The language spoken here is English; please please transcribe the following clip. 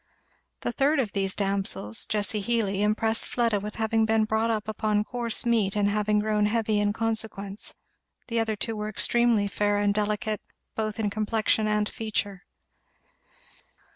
The third of these damsels, Jessie Healy, impressed Fleda with having been brought up upon coarse meat and having grown heavy in consequence; the other two were extremely fair and delicate, both in complexion and feature.